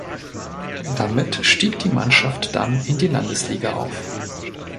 Damit stieg die Mannschaft dann in die Landesliga auf.